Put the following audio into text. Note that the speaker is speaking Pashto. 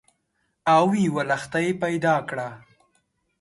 او یوه لښتۍ پیدا کړه